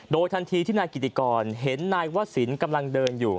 โดยทันทีที่นายกิติกรเห็นนายวศิลป์กำลังเดินอยู่